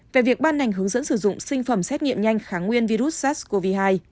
về việc ban hành hướng dẫn sử dụng sinh phẩm xét nghiệm nhanh kháng nguyên virus sars cov hai